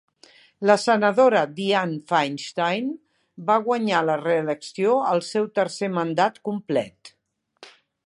La senadora Dianne Feinstein va guanyar la reelecció al seu tercer mandat complet.